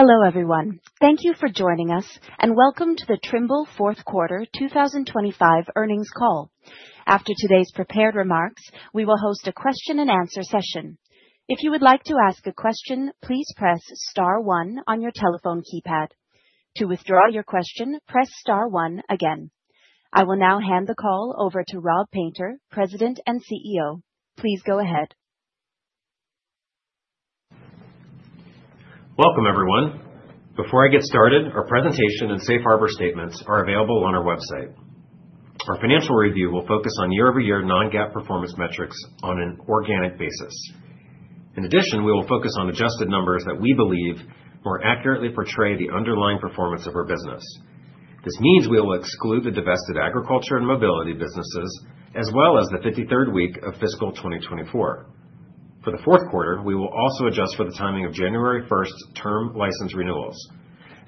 Hello everyone, thank you for joining us, and welcome to the Trimble Fourth Quarter 2025 earnings call. After today's prepared remarks, we will host a question-and-answer session. If you would like to ask a question, please press star one on your telephone keypad. To withdraw your question, press star one again. I will now hand the call over to Rob Painter, President and CEO. Please go ahead. Welcome everyone. Before I get started, our presentation and safe harbor statements are available on our website. Our financial review will focus on year-over-year non-GAAP performance metrics on an organic basis. In addition, we will focus on adjusted numbers that we believe more accurately portray the underlying performance of our business. This means we will exclude the divested agriculture and mobility businesses, as well as the 53rd week of fiscal 2024. For the fourth quarter, we will also adjust for the timing of January 1st term license renewals,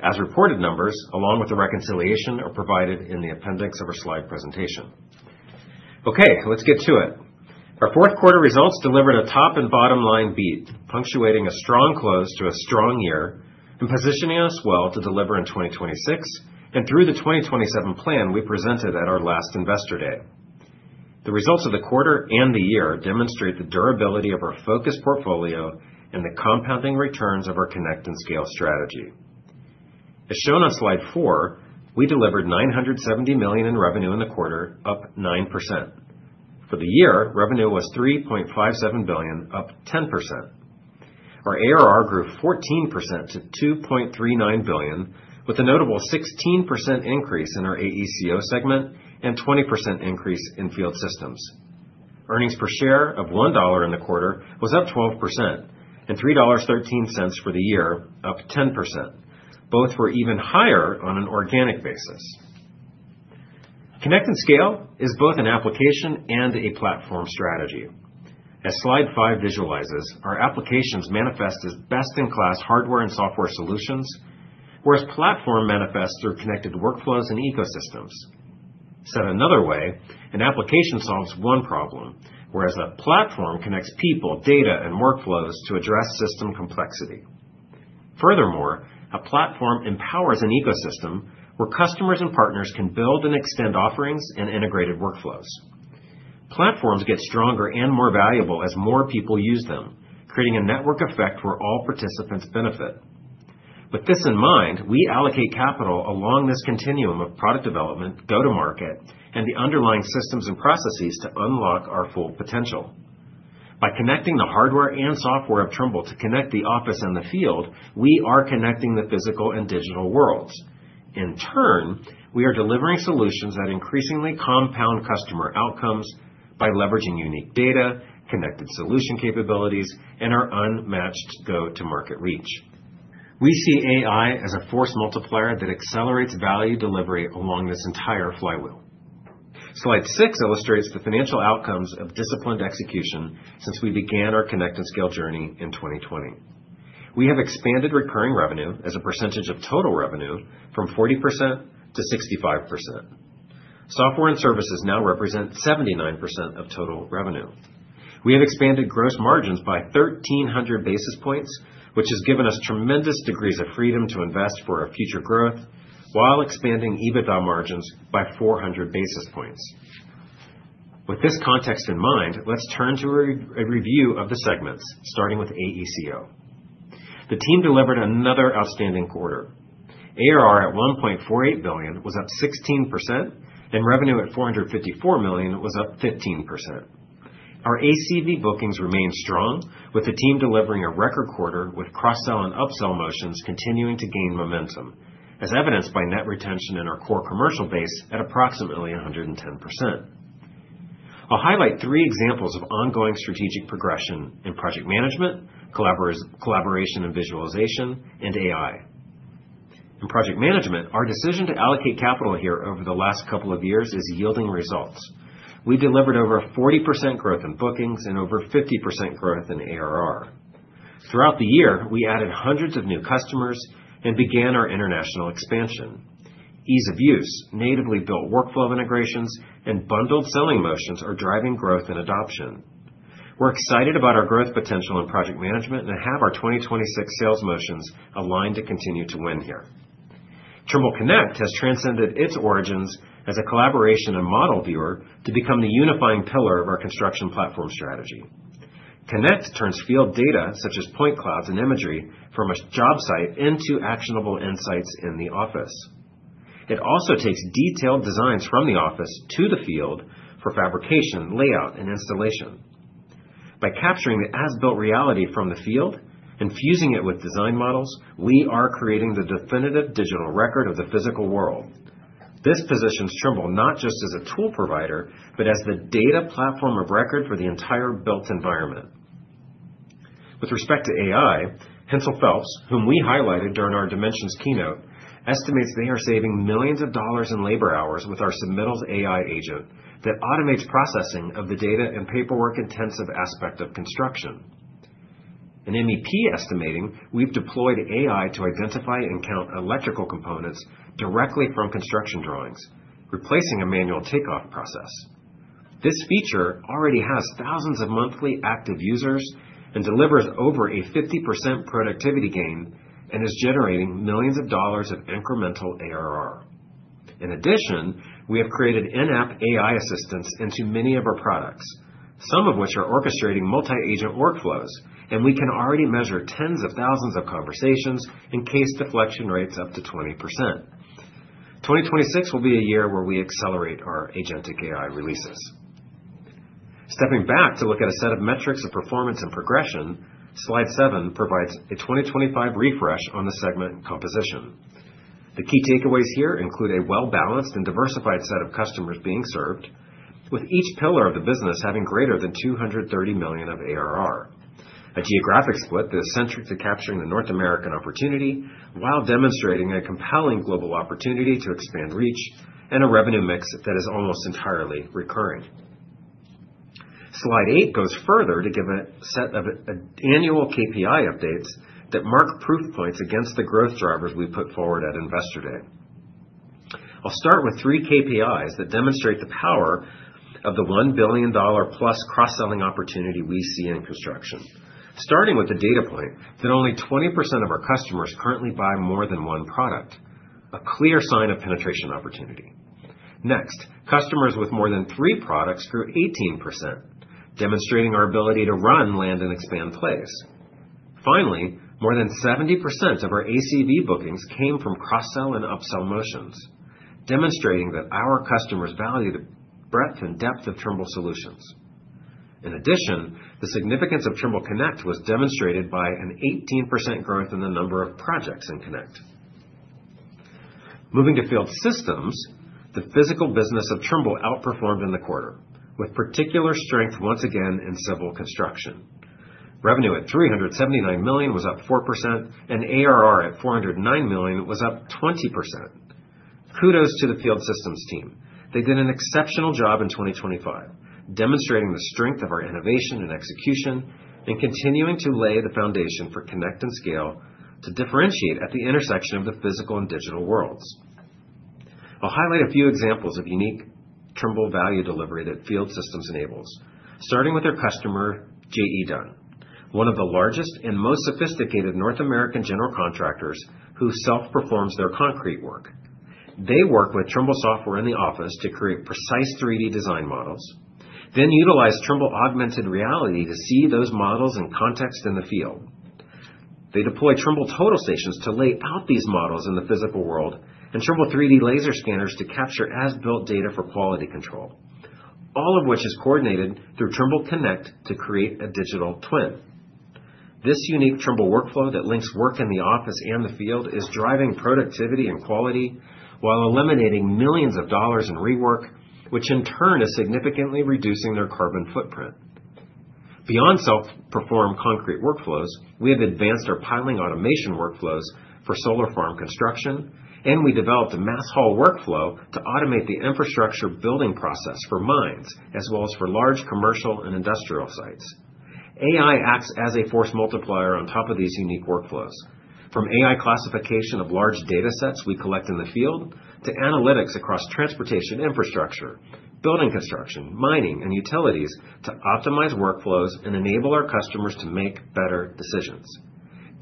as reported numbers along with the reconciliation are provided in the appendix of our slide presentation. Okay, let's get to it. Our fourth quarter results delivered a top-and-bottom-line beat, punctuating a strong close to a strong year and positioning us well to deliver in 2026 and through the 2027 plan we presented at our last investor day. The results of the quarter and the year demonstrate the durability of our focused portfolio and the compounding returns of our connect and scale strategy. As shown on slide four, we delivered $970 million in revenue in the quarter, up 9%. For the year, revenue was $3.57 billion, up 10%. Our ARR grew 14% to $2.39 billion, with a notable 16% increase in our AECO segment and 20% increase in Field Systems. Earnings per share of $1 in the quarter was up 12% and $3.13 for the year, up 10%. Both were even higher on an organic basis. Connect and scale is both an application and a platform strategy. As slide five visualizes, our applications manifest as best-in-class hardware and software solutions, whereas platform manifests through connected workflows and ecosystems. Said another way, an application solves one problem, whereas a platform connects people, data, and workflows to address system complexity. Furthermore, a platform empowers an ecosystem where customers and partners can build and extend offerings and integrated workflows. Platforms get stronger and more valuable as more people use them, creating a network effect where all participants benefit. With this in mind, we allocate capital along this continuum of product development, go-to-market, and the underlying systems and processes to unlock our full potential. By connecting the hardware and software of Trimble to connect the office and the field, we are connecting the physical and digital worlds. In turn, we are delivering solutions that increasingly compound customer outcomes by leveraging unique data, connected solution capabilities, and our unmatched go-to-market reach. We see AI as a force multiplier that accelerates value delivery along this entire flywheel. slide six illustrates the financial outcomes of disciplined execution since we began our connect and scale journey in 2020. We have expanded recurring revenue as a percentage of total revenue from 40%-65%. Software and services now represent 79% of total revenue. We have expanded gross margins by 1,300 basis points, which has given us tremendous degrees of freedom to invest for our future growth while expanding EBITDA margins by 400 basis points. With this context in mind, let's turn to a review of the segments, starting with AECO. The team delivered another outstanding quarter. ARR at $1.48 billion was up 16%, and revenue at $454 million was up 15%. Our ACV bookings remained strong, with the team delivering a record quarter with cross-sell and upsell motions continuing to gain momentum, as evidenced by net retention in our core commercial base at approximately 110%. I'll highlight three examples of ongoing strategic progression In Project Management, Collaboration and Visualization, and AI. In project management, our decision to allocate capital here over the last couple of years is yielding results. We delivered over 40% growth in bookings and over 50% growth in ARR. Throughout the year, we added hundreds of new customers and began our international expansion. Ease of use, natively built workflow integrations, and bundled selling motions are driving growth and adoption. We're excited about our growth potential in project management and have our 2026 sales motions aligned to continue to win here. Trimble Connect has transcended its origins as a collaboration and model viewer to become the unifying pillar of our construction platform strategy. Connect turns field data such as point clouds and imagery from a job site into actionable insights in the office. It also takes detailed designs from the office to the field for fabrication, layout, and installation. By capturing the as-built reality from the field and fusing it with design models, we are creating the definitive digital record of the physical world. This positions Trimble not just as a tool provider but as the data platform of record for the entire built environment. With respect to AI, Hensel Phelps, whom we highlighted during our Dimensions keynote, estimates they are saving millions of dollars in labor hours with our Submittals AI agent that automates processing of the data and paperwork-intensive aspect of construction. In MEP estimating, we've deployed AI to identify and count electrical components directly from construction drawings, replacing a manual takeoff process. This feature already has thousands of monthly active users and delivers over a 50% productivity gain and is generating millionsof dollars of incremental ARR. In addition, we have created in-app AI assistants into many of our products, some of which are orchestrating multi-agent workflows, and we can already measure tens of thousands of conversations and case deflection rates up to 20%. 2026 will be a year where we accelerate our agentic AI releases. Stepping back to look at a set of metrics of performance and progression, slide seven provides a 2025 refresh on the segment composition. The key takeaways here include a well-balanced and diversified set of customers being served, with each pillar of the business having greater than $230 million of ARR, a geographic split that is centric to capturing the North American opportunity while demonstrating a compelling global opportunity to expand reach and a revenue mix that is almost entirely recurring. Slide eight goes further to give a set of annual KPI updates that mark proof points against the growth drivers we put forward at investor day. I'll start with three KPIs that demonstrate the power of the $1 billion+ cross-selling opportunity we see in construction, starting with the data point that only 20% of our customers currently buy more than one product, a clear sign of penetration opportunity. Next, customers with more than three products grew 18%, demonstrating our ability to run, land, and expand plays. Finally, more than 70% of our ACV bookings came from cross-sell and upsell motions, demonstrating that our customers value the breadth and depth of Trimble solutions. In addition, the significance of Trimble Connect was demonstrated by an 18% growth in the number of projects in Connect. Moving to Field Systems, the physical business of Trimble outperformed in the quarter, with particular strength once again in civil construction. Revenue at $379 million was up 4%, and ARR at $409 million was up 20%. Kudos to the Field Systems team. They did an exceptional job in 2025, demonstrating the strength of our innovation and execution and continuing to lay the foundation for connect and scale to differentiate at the intersection of the physical and digital worlds. I'll highlight a few examples of unique Trimble value delivery that Field Systems enables, starting with their customer, JE Dunn, one of the largest and most sophisticated North American general contractors who self-performs their concrete work. They work with Trimble software in the office to create precise 3D design models, then utilize Trimble augmented reality to see those models in context in the field. They deploy Trimble Total Stations to lay out these models in the physical world and Trimble 3D laser scanners to capture as-built data for quality control, all of which is coordinated through Trimble Connect to create a Digital Twin. This unique Trimble workflow that links work in the office and the field is driving productivity and quality while eliminating millions of dollars in rework, which in turn is significantly reducing their carbon footprint. Beyond self-perform concrete workflows, we have advanced our piling automation workflows for solar farm construction, and we developed a mass haul workflow to automate the infrastructure building process for mines as well as for large commercial and industrial sites. AI acts as a force multiplier on top of these unique workflows. From AI classification of large data sets we collect in the field to analytics across transportation infrastructure, building construction, mining, and utilities to optimize workflows and enable our customers to make better decisions.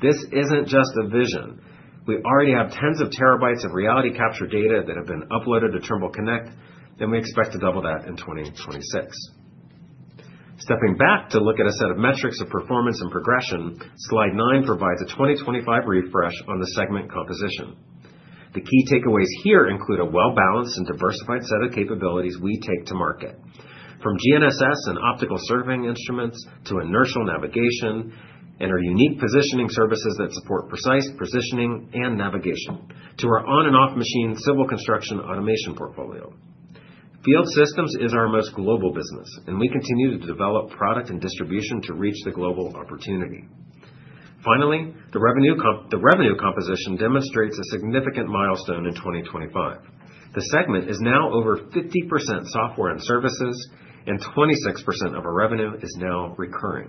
This isn't just a vision. We already have tens of terabytes of reality capture data that have been uploaded to Trimble Connect, and we expect to double that in 2026. Stepping back to look at a set of metrics of performance and progression, slide nine provides a 2025 refresh on the segment composition. The key takeaways here include a well-balanced and diversified set of capabilities we take to market, from GNSS and optical serving instruments to inertial navigation and our unique positioning services that support precise positioning and navigation to our on-and-off machine civil construction automation portfolio. Field systems is our most global business, and we continue to develop product and distribution to reach the global opportunity. Finally, the revenue composition demonstrates a significant milestone in 2025. The segment is now over 50% software and services, and 26% of our revenue is now recurring.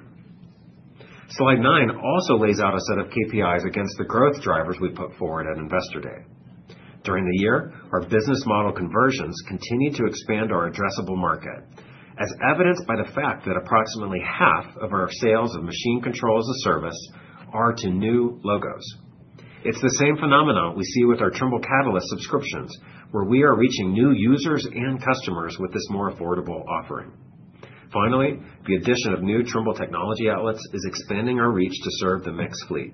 Slide nine also lays out a set of KPIs against the growth drivers we put forward at investor day. During the year, our business model conversions continue to expand our addressable market, as evidenced by the fact that approximately half of our sales of machine control as a service are to new logos. It's the same phenomenon we see with our Trimble Catalyst subscriptions, where we are reaching new users and customers with this more affordable offering. Finally, the addition of new Trimble technology outlets is expanding our reach to serve the mixed fleet.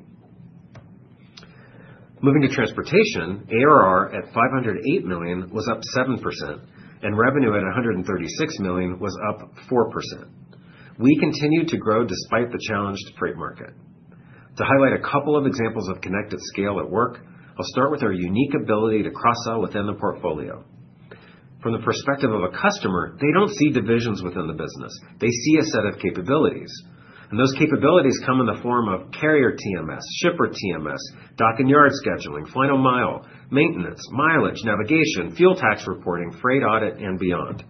Moving to transportation, ARR at $508 million was up 7%, and revenue at $136 million was up 4%. We continue to grow despite the challenged freight market. To highlight a couple of examples of connect at scale at work, I'll start with our unique ability to cross-sell within the portfolio. From the perspective of a customer, they don't see divisions within the business. They see a set of capabilities, and those capabilities come in the form of carrier TMS, shipper TMS, dock and yard scheduling, final mile, maintenance, mileage, navigation, fuel tax reporting, freight audit, and beyond.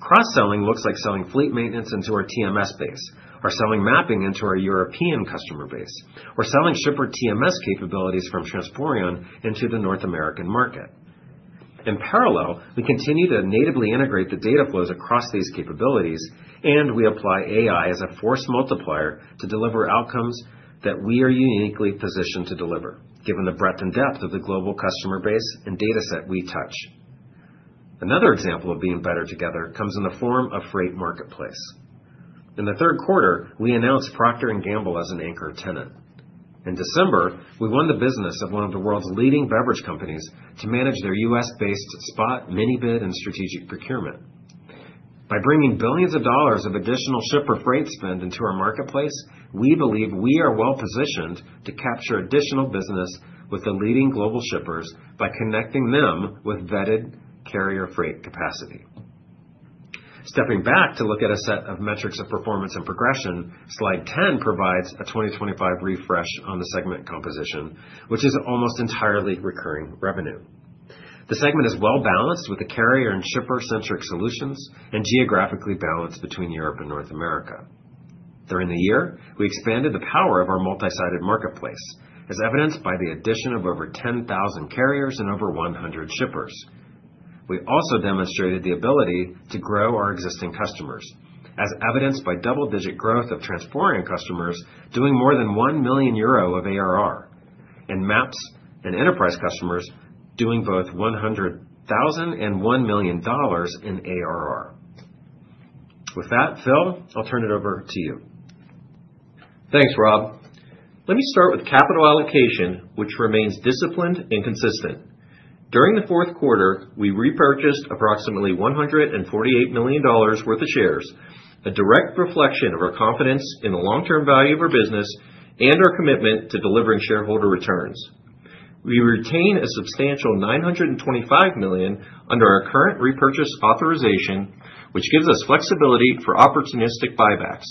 Cross-selling looks like selling fleet maintenance into our TMS base, or selling mapping into our European customer base, or selling shipper TMS capabilities from Transporion into the North American market. In parallel, we continue to natively integrate the data flows across these capabilities, and we apply AI as a force multiplier to deliver outcomes that we are uniquely positioned to deliver, given the breadth and depth of the global customer base and data set we touch. Another example of being better together comes in the form of freight marketplace. In the third quarter, we announced Procter & Gamble as an anchor tenant. In December, we won the business of one of the world's leading beverage companies to manage their U.S.-based spot, minibid, and strategic procurement. By bringing billions of dollars of additional shipper freight spend into our marketplace, we believe we are well-positioned to capture additional business with the leading global shippers by connecting them with vetted carrier freight capacity. Stepping back to look at a set of metrics of performance and progression, slide 10 provides a 2025 refresh on the segment composition, which is almost entirely recurring revenue. The segment is well-balanced with the carrier and shipper-centric solutions and geographically balanced between Europe and North America. During the year, we expanded the power of our multi-sided marketplace, as evidenced by the addition of over 10,000 carriers and over 100 shippers. We also demonstrated the ability to grow our existing customers, as evidenced by double-digit growth of Transporion customers doing more than 1 million euro of ARR and MAPS and Enterprise customers doing both $100,000 and $1 million in ARR. With that, Phil, I'll turn it over to you. Thanks, Rob. Let me start with capital allocation, which remains disciplined and consistent. During the fourth quarter, we repurchased approximately $148 million worth of shares, a direct reflection of our confidence in the long-term value of our business and our commitment to delivering shareholder returns. We retain a substantial $925 million under our current repurchase authorization, which gives us flexibility for opportunistic buybacks.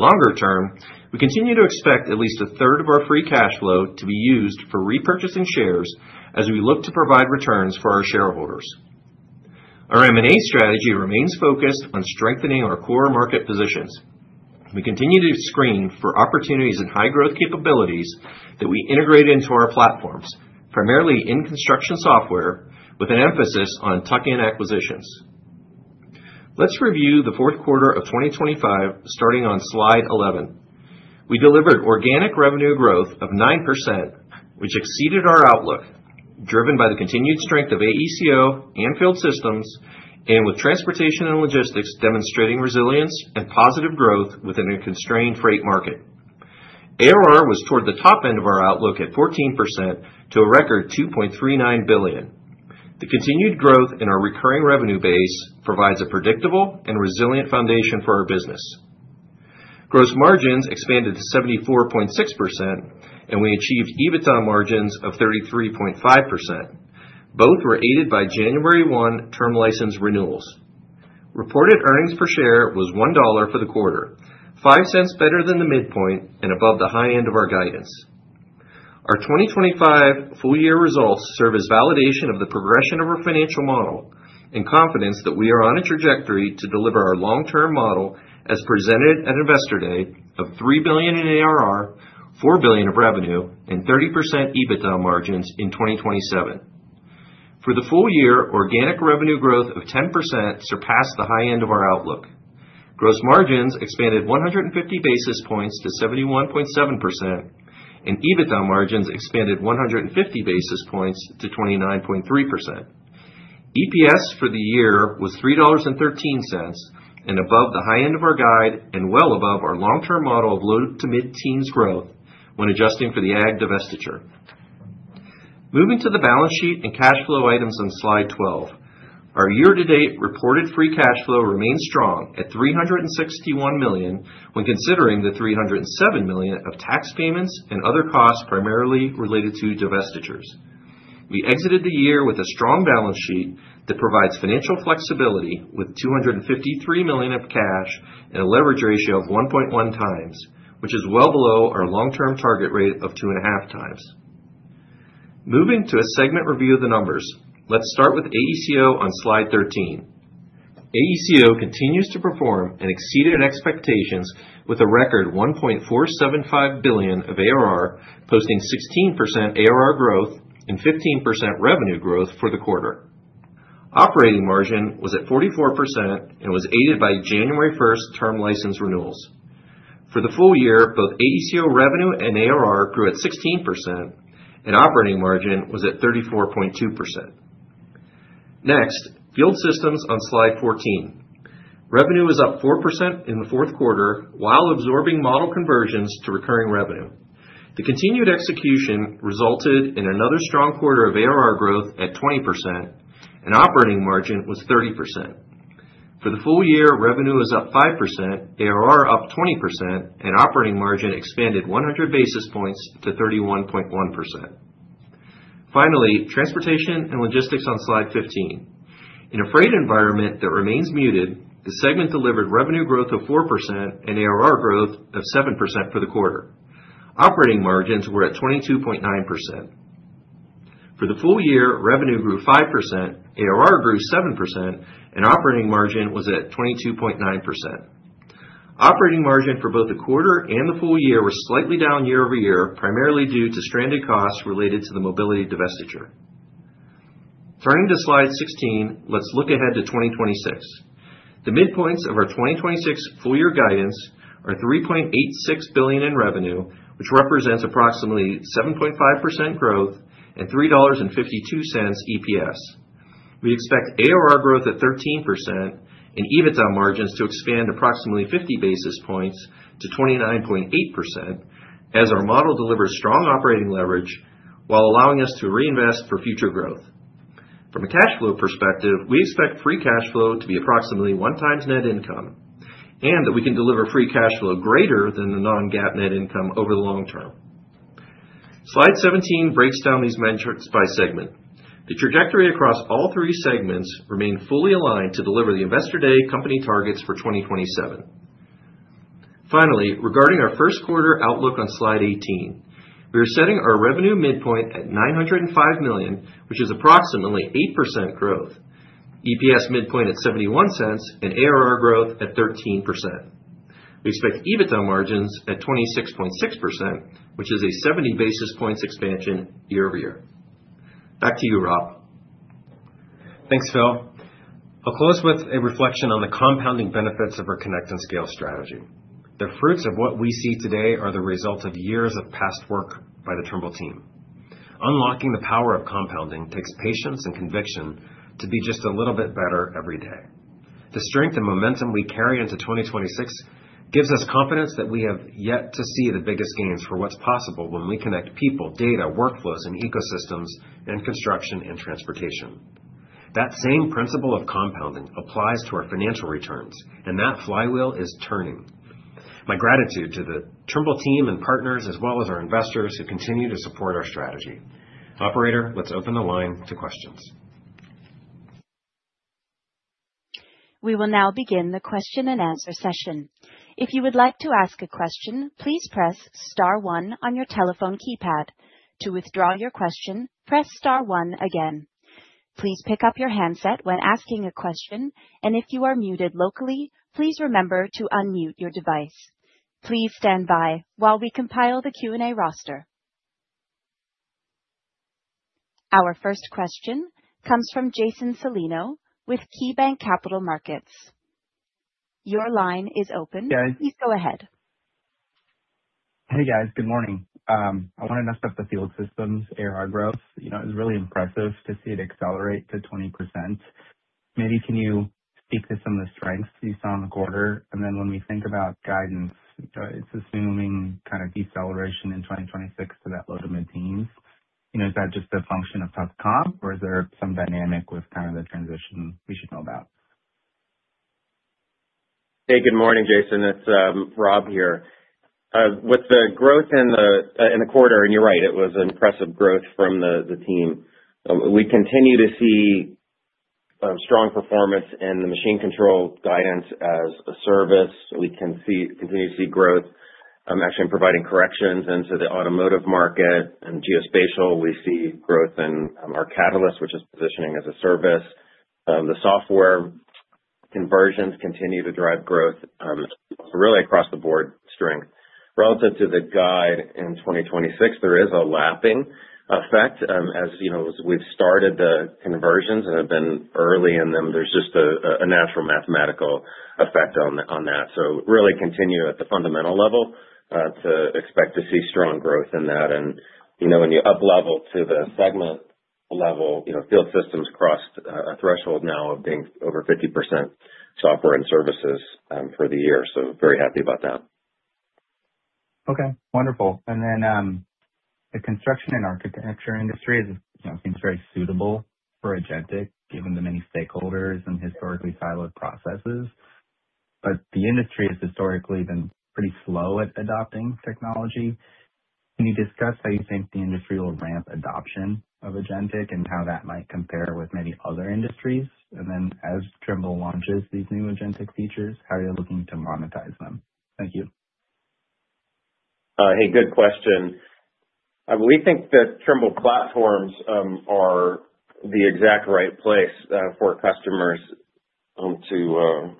Longer term, we continue to expect at least a third of our free cash flow to be used for repurchasing shares as we look to provide returns for our shareholders. Our M&A strategy remains focused on strengthening our core market positions. We continue to screen for opportunities and high-growth capabilities that we integrate into our platforms, primarily in construction software, with an emphasis on tuck-in acquisitions. Let's review the fourth quarter of 2025 starting on slide 11. We delivered organic revenue growth of 9%, which exceeded our outlook, driven by the continued strength of AECO and Field Systems and with transportation and logistics demonstrating resilience and positive growth within a constrained freight market. ARR was toward the top end of our outlook at 14% to a record $2.39 billion. The continued growth in our recurring revenue base provides a predictable and resilient foundation for our business. Gross margins expanded to 74.6%, and we achieved EBITDA margins of 33.5%. Both were aided by January 1 term license renewals. Reported earnings per share was $1 for the quarter, $0.05 better than the midpoint and above the high end of our guidance. Our 2025 full-year results serve as validation of the progression of our financial model and confidence that we are on a trajectory to deliver our long-term model as presented at investor day of $3 billion in ARR, $4 billion of revenue, and 30% EBITDA margins in 2027. For the full year, organic revenue growth of 10% surpassed the high end of our outlook. Gross margins expanded 150 basis points to 71.7%, and EBITDA margins expanded 150 basis points to 29.3%. EPS for the year was $3.13 and above the high end of our guide and well above our long-term model of low- to mid-teens growth when adjusting for the ag divestiture. Moving to the balance sheet and cash flow items on slide 12, our year-to-date reported free cash flow remains strong at $361 million when considering the $307 million of tax payments and other costs primarily related to divestitures. We exited the year with a strong balance sheet that provides financial flexibility with $253 million of cash and a leverage ratio of 1.1x, which is well below our long-term target rate of 2.5x. Moving to a segment review of the numbers, let's start with AECO on slide 13. AECO continues to perform and exceeded expectations with a record $1.475 billion of ARR, posting 16% ARR growth and 15% revenue growth for the quarter. Operating margin was at 44% and was aided by January 1 term license renewals. For the full year, both AECO revenue and ARR grew at 16%, and operating margin was at 34.2%. Next, Field Systems on slide 14. Revenue is up 4% in the fourth quarter while absorbing model conversions to recurring revenue. The continued execution resulted in another strong quarter of ARR growth at 20%, and operating margin was 30%. For the full year, revenue is up 5%, ARR up 20%, and operating margin expanded 100 basis points to 31.1%. Finally, transportation and logistics on slide 15. In a freight environment that remains muted, the segment delivered revenue growth of 4% and ARR growth of 7% for the quarter. Operating margins were at 22.9%. For the full year, revenue grew 5%, ARR grew 7%, and operating margin was at 22.9%. Operating margin for both the quarter and the full year was slightly down year-over-year, primarily due to stranded costs related to the mobility divestiture. Turning to slide 16, let's look ahead to 2026. The midpoints of our 2026 full-year guidance are $3.86 billion in revenue, which represents approximately 7.5% growth and $3.52 EPS. We expect ARR growth at 13% and EBITDA margins to expand approximately 50 basis points to 29.8% as our model delivers strong operating leverage while allowing us to reinvest for future growth. From a cash flow perspective, we expect free cash flow to be approximately 1x net income and that we can deliver free cash flow greater than the non-GAAP net income over the long term. Slide 17 breaks down these metrics by segment. The trajectory across all three segments remains fully aligned to deliver the investor day company targets for 2027. Finally, regarding our first quarter outlook on slide 18, we are setting our revenue midpoint at $905 million, which is approximately 8% growth, EPS midpoint at $0.71, and ARR growth at 13%. We expect EBITDA margins at 26.6%, which is a 70 basis points expansion year-over-year. Back to you, Rob. Thanks, Phil. I'll close with a reflection on the compounding benefits of our connect at scale strategy. The fruits of what we see today are the result of years of past work by the Trimble team. Unlocking the power of compounding takes patience and conviction to be just a little bit better every day. The strength and momentum we carry into 2026 gives us confidence that we have yet to see the biggest gains for what's possible when we connect people, data, workflows, and ecosystems in construction and transportation. That same principle of compounding applies to our financial returns, and that flywheel is turning. My gratitude to the Trimble team and partners, as well as our investors who continue to support our strategy. Operator, let's open the line to questions. We will now begin the question-and-answer session. If you would like to ask a question, please press star 1 on your telephone keypad. To withdraw your question, press star 1 again. Please pick up your handset when asking a question, and if you are muted locally, please remember to unmute your device. Please stand by while we compile the Q&A roster. Our first question comes from Jason Celino with KeyBanc Capital Markets. Your line is open. Please go ahead. Hey, guys. Good morning. I want to dig into the Field Systems ARR growth. It was really impressive to see it accelerate to 20%. Maybe can you speak to some of the strengths you saw in the quarter? And then when we think about guidance, it's assuming kind of deceleration in 2026 to that low- to mid-teens. Is that just a function of tough comp, or is there some dynamic with kind of the transition we should know about? Hey, good morning, Jason. It's Rob here. With the growth in the quarter - and you're right, it was impressive growth from the team - we continue to see strong performance in the machine control guidance as a service. We continue to see growth actually in providing corrections into the automotive market and geospatial. We see growth in our Catalyst, which is positioning as a service. The software conversions continue to drive growth, really across the board strength. Relative to the guide in 2026, there is a lapping effect. As we've started the conversions and have been early in them, there's just a natural mathematical effect on that. So really continue at the fundamental level to expect to see strong growth in that. And when you uplevel to the segment level, Field Systems crossed a threshold now of being over 50% software and services for the year. So very happy about that. Okay. Wonderful. And then the construction and architecture industry seems very suitable for Agentic given the many stakeholders and historically siloed processes. But the industry has historically been pretty slow at adopting technology. Can you discuss how you think the industry will ramp adoption of Agentic and how that might compare with maybe other industries? And then as Trimble launches these new Agentic features, how are you looking to monetize them? Thank you. Hey, good question. We think that Trimble platforms are the exact right place for customers to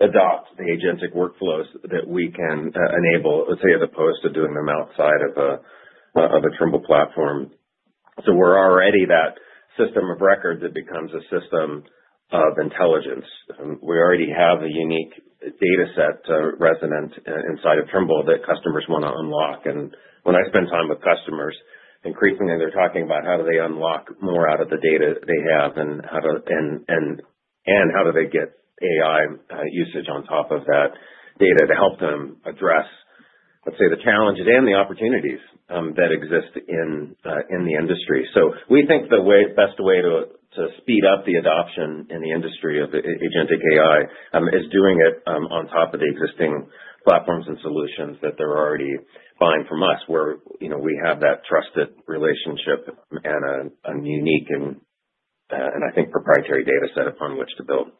adopt the Agentic workflows that we can enable, let's say, as opposed to doing them outside of a Trimble platform. So we're already that system of records that becomes a system of intelligence. We already have a unique dataset resonant inside of Trimble that customers want to unlock. And when I spend time with customers, increasingly, they're talking about how do they unlock more out of the data they have and how do they get AI usage on top of that data to help them address, let's say, the challenges and the opportunities that exist in the industry. So we think the best way to speed up the adoption in the industry of Agentic AI is doing it on top of the existing platforms and solutions that they're already buying from us where we have that trusted relationship and a unique and, I think, proprietary dataset upon which to build.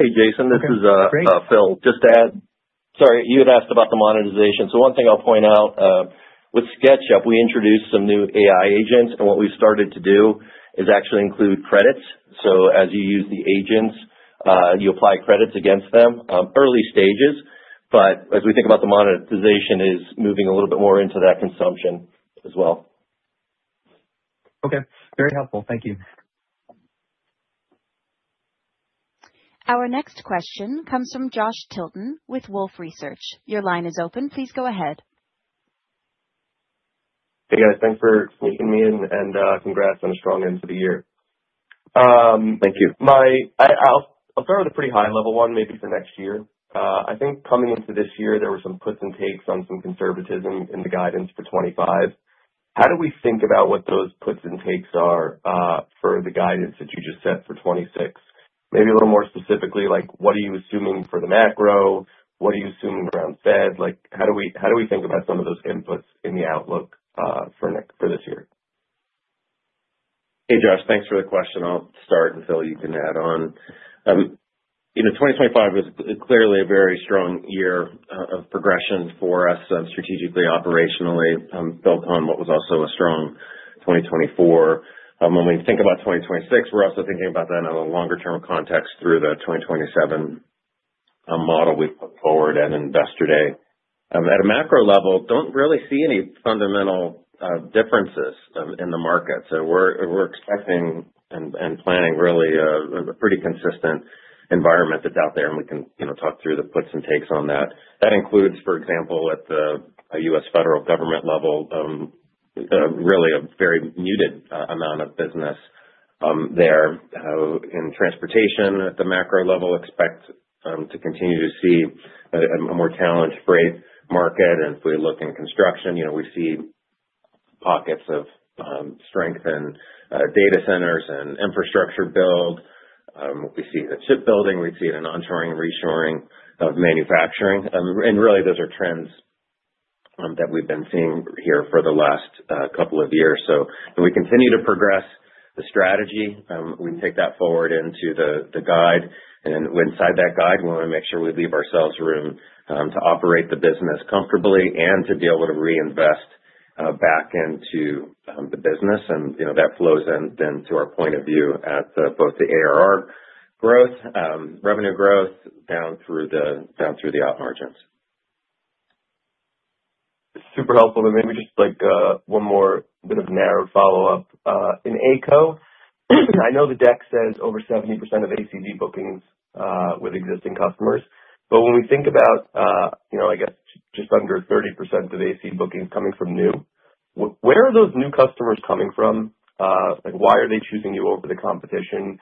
Hey, Jason. This is Phil. Just to add, sorry, you had asked about the monetization. So one thing I'll point out, with SketchUp, we introduced some new AI agents, and what we've started to do is actually include credits. So as you use the agents, you apply credits against them early stages. But as we think about the monetization, it is moving a little bit more into that consumption as well. Okay. Very helpful. Thank you. Our next question comes from Josh Tilton with Wolfe Research. Your line is open. Please go ahead. Hey, guys. Thanks for speaking to me, and congrats on a strong end to the year. Thank you. I'll start with a pretty high-level one, maybe for next year. I think coming into this year, there were some puts and takes on some conservatism in the guidance for 2025. How do we think about what those puts and takes are for the guidance that you just set for 2026? Maybe a little more specifically, what are you assuming for the macro? What are you assuming around Fed? How do we think about some of those inputs in the outlook for this year? Hey, Josh. Thanks for the question. I'll start, and Phil, you can add on. 2025 was clearly a very strong year of progression for us strategically, operationally, built on what was also a strong 2024. When we think about 2026, we're also thinking about that in a longer-term context through the 2027 model we've put forward and Investor Day. At a macro level, don't really see any fundamental differences in the market. So we're expecting and planning really a pretty consistent environment that's out there, and we can talk through the puts and takes on that. That includes, for example, at the U.S. federal government level, really a very muted amount of business there. In transportation, at the macro level, expect to continue to see a more challenged freight market. And if we look in construction, we see pockets of strength in data centers and infrastructure build. We see the chip building. We see it in onshoring and reshoring of manufacturing. And really, those are trends that we've been seeing here for the last couple of years. So when we continue to progress the strategy, we take that forward into the guide. And then inside that guide, we want to make sure we leave ourselves room to operate the business comfortably and to be able to reinvest back into the business. And that flows then to our point of view at both the ARR growth, revenue growth, down through the op margins. Super helpful. And maybe just one more bit of narrow follow-up. In AECO, I know the deck says over 70% of ACV bookings with existing customers. But when we think about, I guess, just under 30% of ACV bookings coming from new, where are those new customers coming from? Why are they choosing you over the competition?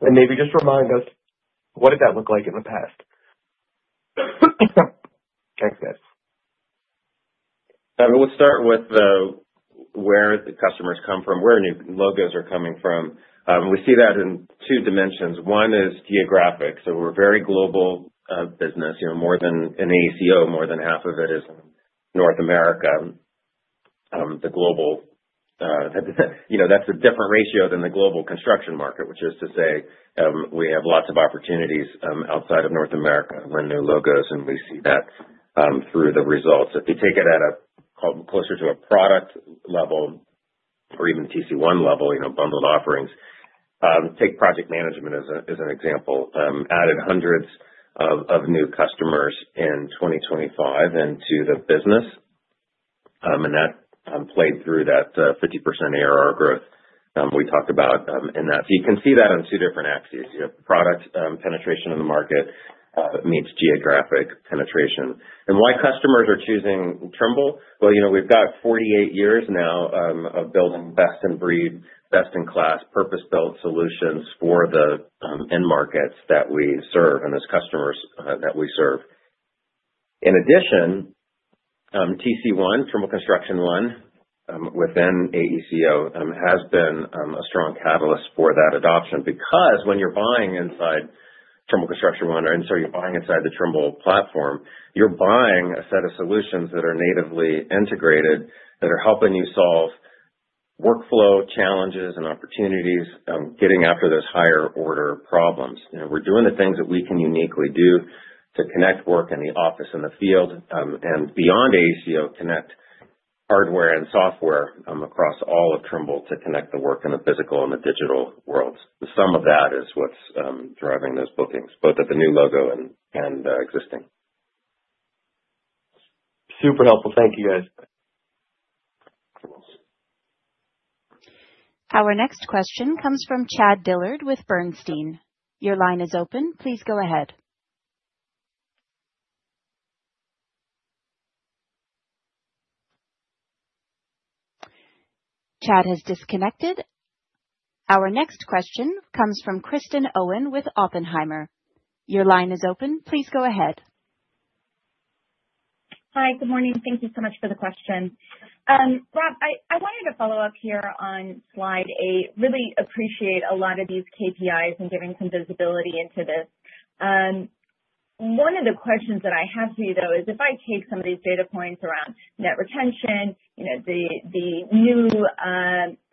And maybe just remind us, what did that look like in the past? Thanks, guys. We'll start with where the customers come from, where the new logos are coming from. We see that in two dimensions. One is geographic. So we're a very global business. More than AECO, more than half of it is in North America, the global that's a different ratio than the global construction market, which is to say we have lots of opportunities outside of North America when new logos, and we see that through the results. If you take it at a closer to a product level or even TC1 level, bundled offerings, take project management as an example, added hundreds of new customers in 2025 into the business, and that played through that 50% ARR growth we talked about in that. So you can see that on two different axes. You have product penetration in the market meets geographic penetration. And why customers are choosing Trimble? Well, we've got 48 years now of building best-in-breed, best-in-class, purpose-built solutions for the end markets that we serve and those customers that we serve. In addition, TC1, Trimble Construction One within AECO has been a strong catalyst for that adoption because when you're buying inside Trimble Construction One and so you're buying inside the Trimble platform, you're buying a set of solutions that are natively integrated that are helping you solve workflow challenges and opportunities, getting after those higher-order problems. We're doing the things that we can uniquely do to connect work in the office and the field and beyond AECO, connect hardware and software across all of Trimble to connect the work in the physical and the digital worlds. Some of that is what's driving those bookings, both at the new logo and existing. Super helpful. Thank you, guys. Our next question comes from Chad Dillard with Bernstein. Your line is open. Please go ahead. Chad has disconnected. Our next question comes from Kristen Owen with Oppenheimer. Your line is open. Please go ahead. Hi. Good morning. Thank you so much for the question. Rob, I wanted to follow up here on slide 8. Really appreciate a lot of these KPIs and giving some visibility into this. One of the questions that I have for you, though, is if I take some of these data points around net retention, the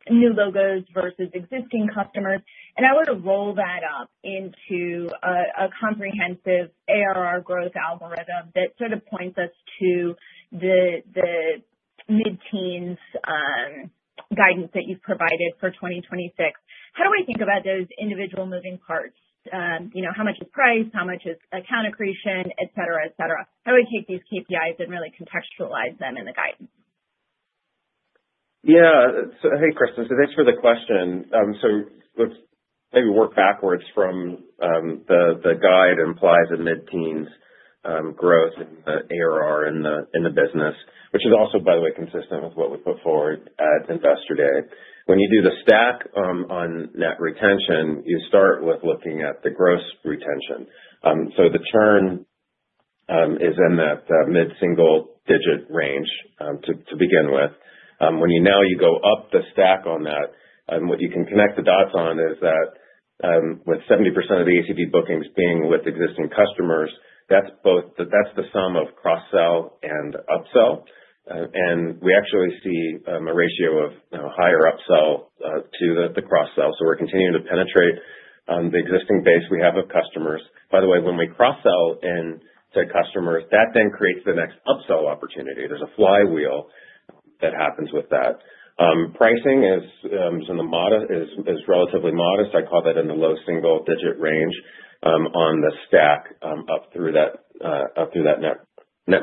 new logos versus existing customers, and I were to roll that up into a comprehensive ARR growth algorithm that sort of points us to the mid-teens guidance that you've provided for 2026, how do I think about those individual moving parts? How much is price? How much is account accretion, etc., etc.? How do I take these KPIs and really contextualize them in the guidance? Yeah. Hey, Kristen. So thanks for the question. So let's maybe work backwards from the guide implies a mid-teens growth in the ARR in the business, which is also, by the way, consistent with what we put forward at investor day. When you do the stack on net retention, you start with looking at the gross retention. So the churn is in that mid-single-digit range to begin with. Now you go up the stack on that, and what you can connect the dots on is that with 70% of the ACV bookings being with existing customers, that's the sum of cross-sell and upsell. And we actually see a ratio of higher upsell to the cross-sell. So we're continuing to penetrate the existing base we have of customers. By the way, when we cross-sell into customers, that then creates the next upsell opportunity. There's a flywheel that happens with that. Pricing is relatively modest. I call that in the low single-digit range on the stack up through that net. Yeah,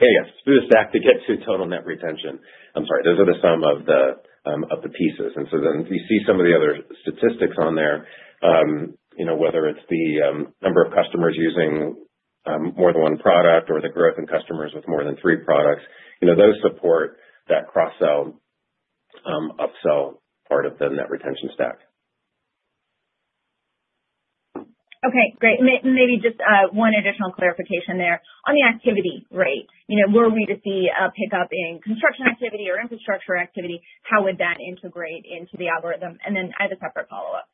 yeah. It's through the stack to get to total net retention. I'm sorry. Those are the sum of the pieces. And so then you see some of the other statistics on there, whether it's the number of customers using more than one product or the growth in customers with more than three products. Those support that cross-sell, upsell part of the net retention stack. Okay. Great. Maybe just one additional clarification there on the activity rate. Were we to see a pickup in construction activity or infrastructure activity, how would that integrate into the algorithm? And then I have a separate follow-up.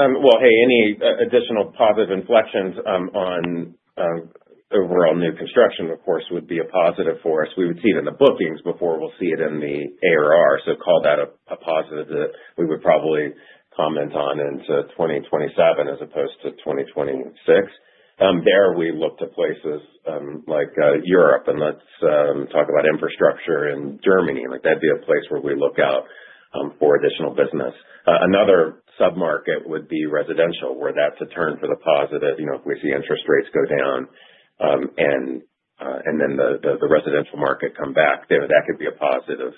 Well, hey, any additional positive inflections on overall new construction, of course, would be a positive for us. We would see it in the bookings before. We'll see it in the ARR. So call that a positive that we would probably comment on into 2027 as opposed to 2026. There we look to places like Europe, and let's talk about infrastructure in Germany. That'd be a place where we look out for additional business. Another submarket would be residential where that's a turn for the positive if we see interest rates go down and then the residential market come back. That could be a positive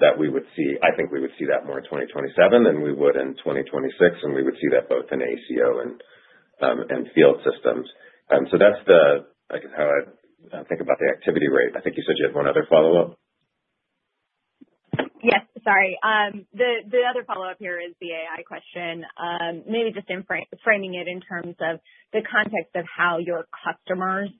that we would see I think we would see that more in 2027 than we would in 2026, and we would see that both in AECO and Field Systems. So that's, I guess, how I think about the activity rate. I think you said you had one other follow-up. Yes. Sorry. The other follow-up here is the AI question. Maybe just framing it in terms of the context of how your customers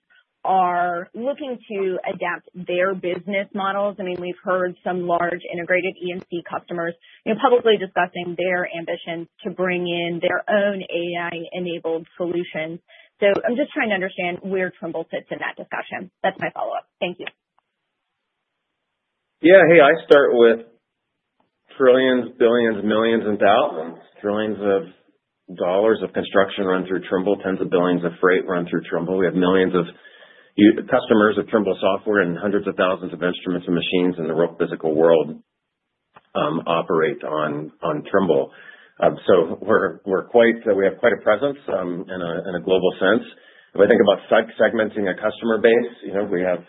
are looking to adapt their business models. I mean, we've heard some large integrated E&C customers publicly discussing their ambitions to bring in their own AI-enabled solutions. So I'm just trying to understand where Trimble sits in that discussion. That's my follow-up. Thank you. Yeah. Hey, I start with trillions, billions, millions, and thousands, trillions of dollars of construction run through Trimble, tens of billions of freight run through Trimble. We have millions of customers of Trimble software and hundreds of thousands of instruments and machines in the real physical world operate on Trimble. So we have quite a presence in a global sense. If I think about segmenting a customer base, we have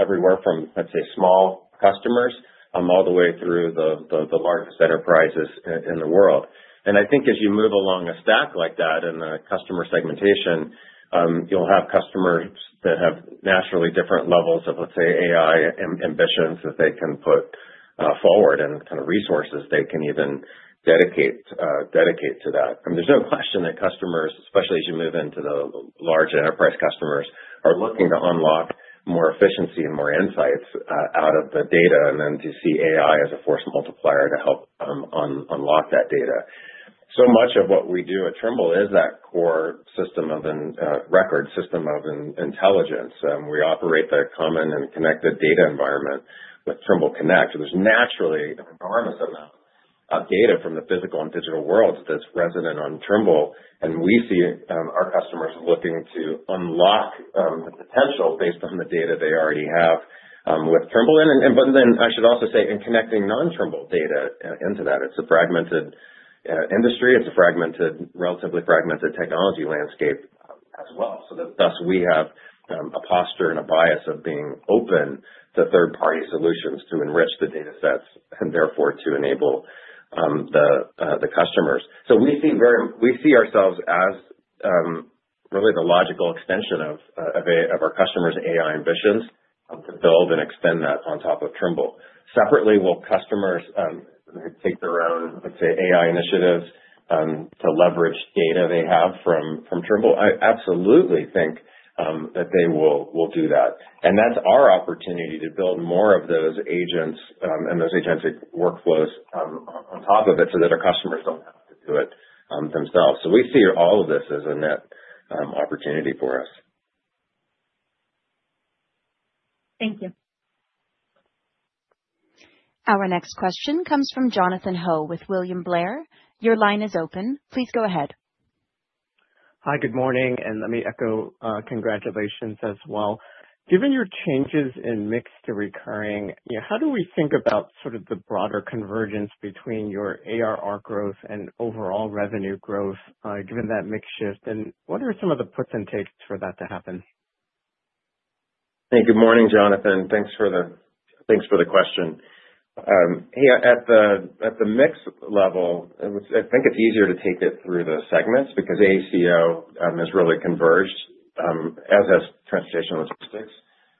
everywhere from, let's say, small customers all the way through the largest enterprises in the world. I think as you move along a stack like that in the customer segmentation, you'll have customers that have naturally different levels of, let's say, AI ambitions that they can put forward and kind of resources they can even dedicate to that. I mean, there's no question that customers, especially as you move into the large enterprise customers, are looking to unlock more efficiency and more insights out of the data and then to see AI as a force multiplier to help unlock that data. So much of what we do at Trimble is that core system of record and system of intelligence. We operate the common and connected data environment with Trimble Connect. There's naturally an enormous amount of data from the physical and digital worlds that's resident on Trimble. We see our customers looking to unlock the potential based on the data they already have with Trimble. But then I should also say in connecting non-Trimble data into that, it's a fragmented industry. It's a relatively fragmented technology landscape as well. So thus, we have a posture and a bias of being open to third-party solutions to enrich the data sets and therefore to enable the customers. So we see ourselves as really the logical extension of our customers' AI ambitions to build and extend that on top of Trimble. Separately, will customers take their own, let's say, AI initiatives to leverage data they have from Trimble? I absolutely think that they will do that. And that's our opportunity to build more of those agents and those agentic workflows on top of it so that our customers don't have to do it themselves. So we see all of this as a net opportunity for us. Thank you. Our next question comes from Jonathan Ho with William Blair. Your line is open. Please go ahead. Hi. Good morning. And let me echo congratulations as well. Given your changes in mix to recurring, how do we think about sort of the broader convergence between your ARR growth and overall revenue growth given that mix shift? And what are some of the puts and takes for that to happen? Hey, good morning, Jonathan. Thanks for the question. Hey, at the mix level, I think it's easier to take it through the segments because AECO has really converged, as has transportation logistics.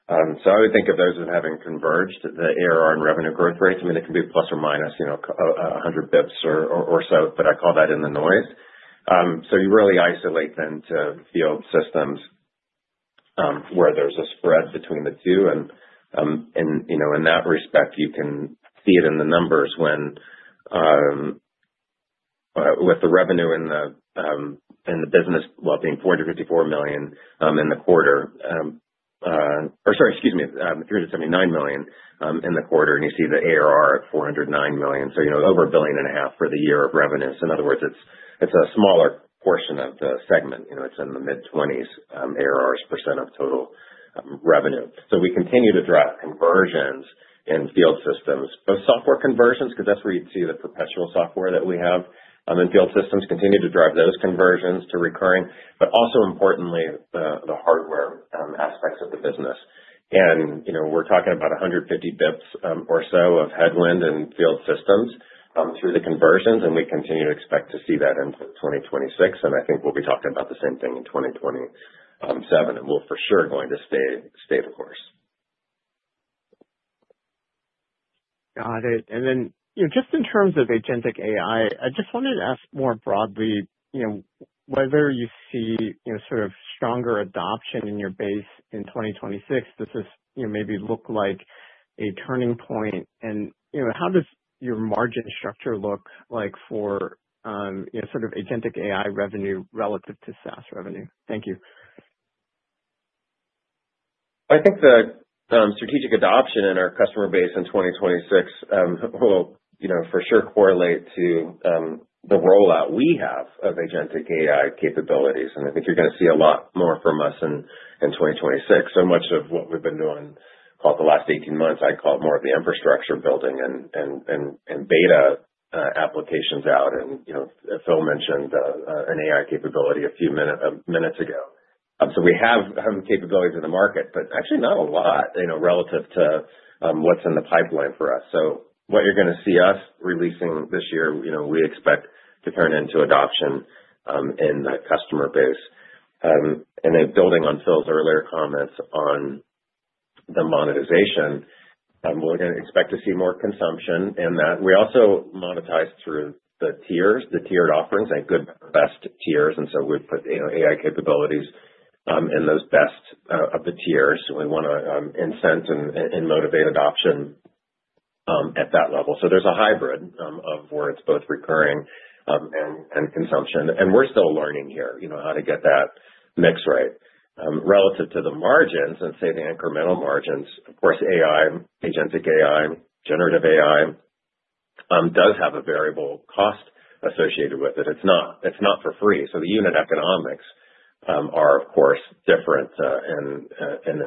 So I would think of those as having converged, the ARR and revenue growth rates. I mean, they can be ±100 basis points or so, but I call that in the noise. So you really isolate then to Field Systems where there's a spread between the two. And in that respect, you can see it in the numbers with the revenue in the business, well, being $454 million in the quarter or sorry, excuse me, $379 million in the quarter, and you see the ARR at $409 million. So over $1.5 billion for the year of revenues. In other words, it's a smaller portion of the segment. It's in the mid-20s% ARR of total revenue. So we continue to drive conversions in Field Systems, both software conversions because that's where you'd see the perpetual software that we have in Field Systems, continue to drive those conversions to recurring, but also importantly, the hardware aspects of the business. We're talking about 150 basis points or so of headwind in Field Systems through the conversions, and we continue to expect to see that into 2026. I think we'll be talking about the same thing in 2027, and we'll for sure going to stay the course. Got it. Then just in terms of Agentic AI, I just wanted to ask more broadly whether you see sort of stronger adoption in your base in 2026. This maybe look like a turning point. How does your margin structure look like for sort of Agentic AI revenue relative to SaaS revenue? Thank you. I think the strategic adoption in our customer base in 2026 will for sure correlate to the rollout we have of Agentic AI capabilities. I think you're going to see a lot more from us in 2026. So much of what we've been doing, call it the last 18 months, I call it more of the infrastructure building and beta applications out. And Phil mentioned an AI capability a few minutes ago. So we have capabilities in the market, but actually not a lot relative to what's in the pipeline for us. So what you're going to see us releasing this year, we expect to turn into adoption in the customer base. And then building on Phil's earlier comments on the monetization, we're going to expect to see more consumption in that. We also monetize through the tiers, the tiered offerings, like good, best tiers. And so we put AI capabilities in those best of the tiers. We want to incent and motivate adoption at that level. So there's a hybrid of where it's both recurring and consumption. And we're still learning here how to get that mix right relative to the margins and, say, the incremental margins. Of course, agentic AI, generative AI does have a variable cost associated with it. It's not for free. So the unit economics are, of course, different in an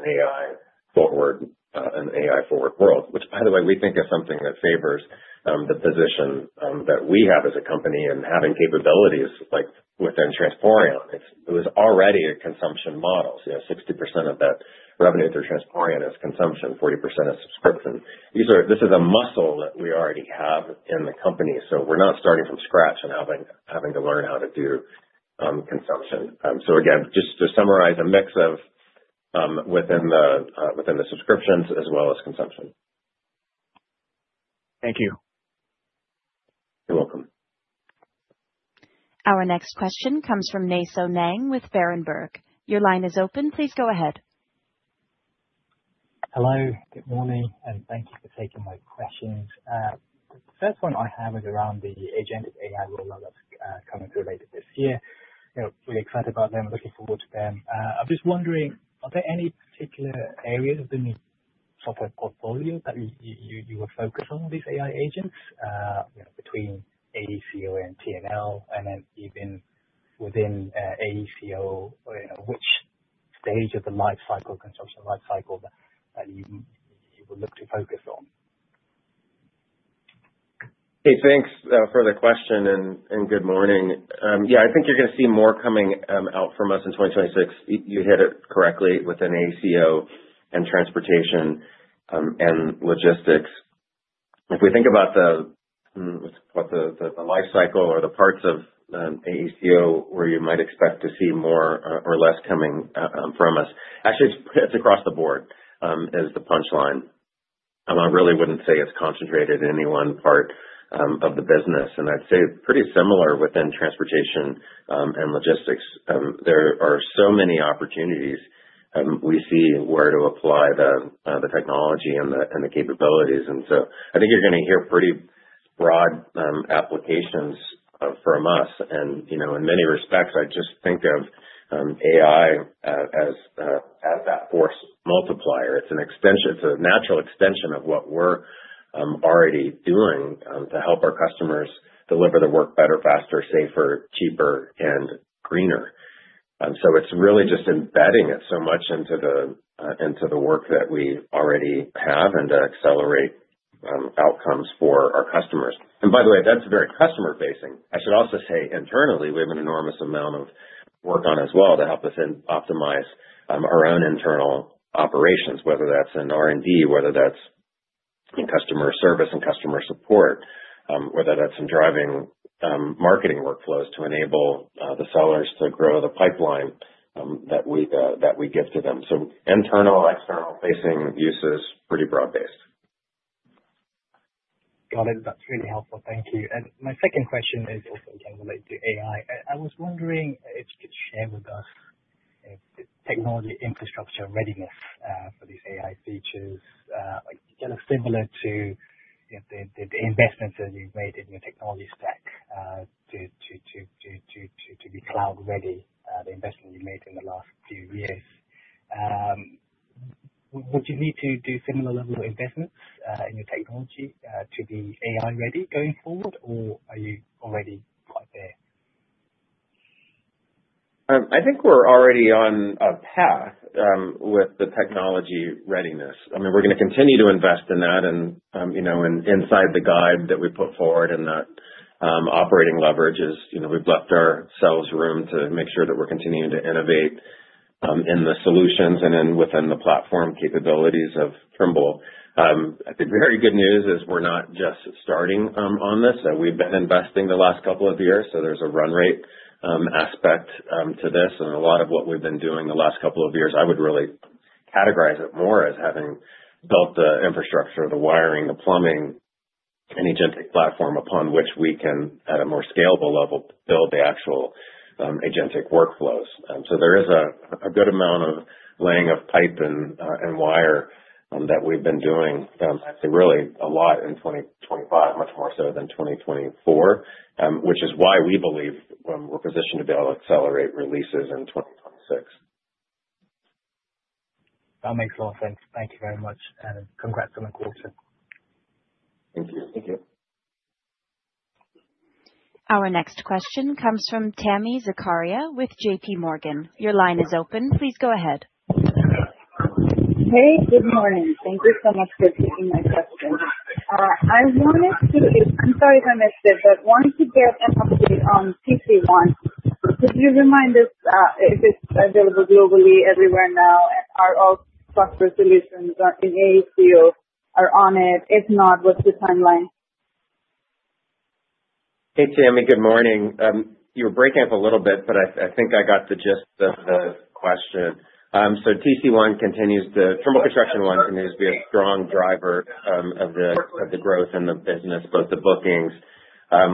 AI-forward world, which, by the way, we think is something that favors the position that we have as a company in having capabilities within Transporion. It was already a consumption model. 60% of that revenue through Transporion is consumption, 40% is subscription. This is a muscle that we already have in the company. So we're not starting from scratch and having to learn how to do consumption. So again, just to summarize, a mix within the subscriptions as well as consumption. Thank you. You're welcome. Our next question comes from Nay Soe Naing with Berenberg. Your line is open. Please go ahead. Hello. Good morning. Thank you for taking my questions. The first one I have is around the Agentic AI rollout that's coming through later this year. Really excited about them and looking forward to them. I'm just wondering, are there any particular areas of the software portfolio that you will focus on with these AI agents between AECO and T&L, and then even within AECO, which stage of the construction lifecycle that you would look to focus on? Hey, thanks for the question and good morning. Yeah, I think you're going to see more coming out from us in 2026. You hit it correctly within AECO and transportation and logistics. If we think about what's the lifecycle or the parts of AECO where you might expect to see more or less coming from us? Actually, it's across the board is the punchline. I really wouldn't say it's concentrated in any one part of the business. I'd say it's pretty similar within transportation and logistics. There are so many opportunities we see where to apply the technology and the capabilities. I think you're going to hear pretty broad applications from us. In many respects, I just think of AI as that force multiplier. It's a natural extension of what we're already doing to help our customers deliver the work better, faster, safer, cheaper, and greener. It's really just embedding it so much into the work that we already have and to accelerate outcomes for our customers. By the way, that's very customer-facing. I should also say internally, we have an enormous amount of work on as well to help us optimize our own internal operations, whether that's in R&D, whether that's in customer service and customer support, whether that's in driving marketing workflows to enable the sellers to grow the pipeline that we give to them. So internal, external-facing use is pretty broad-based. Got it. That's really helpful. Thank you. And my second question is also again related to AI. I was wondering if you could share with us technology infrastructure readiness for these AI features, kind of similar to the investments that you've made in your technology stack to be cloud-ready, the investment you made in the last few years. Would you need to do similar level of investments in your technology to be AI-ready going forward, or are you already quite there? I think we're already on a path with the technology readiness. I mean, we're going to continue to invest in that inside the guide that we put forward and that operating leverages. We've left ourselves room to make sure that we're continuing to innovate in the solutions and then within the platform capabilities of Trimble. The very good news is we're not just starting on this. We've been investing the last couple of years. So there's a run-rate aspect to this. And a lot of what we've been doing the last couple of years, I would really categorize it more as having built the infrastructure, the wiring, the plumbing, an agentic platform upon which we can, at a more scalable level, build the actual agentic workflows. So there is a good amount of laying of pipe and wire that we've been doing, actually really a lot in 2025, much more so than 2024, which is why we believe we're positioned to be able to accelerate releases in 2026. That makes a lot of sense. Thank you very much, and congrats on the quarter. Thank you. Thank you. Our next question comes from Tami Zakaria with JPMorgan. Your line is open. Please go ahead. Hey, good morning. Thank you so much for taking my question. I wanted to. I'm sorry if I missed it, but wanted to get an update on TC1. Could you remind us if it's available globally everywhere now and are all software solutions in AECO on it? If not, what's the timeline? Hey, Tami. Good morning. You were breaking up a little bit, but I think I got the gist of the question. So TC1, Trimble Construction One, continues to be a strong driver of the growth in the business, both the bookings.